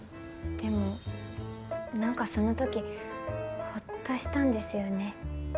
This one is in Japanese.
でもなんかその時ホッとしたんですよね。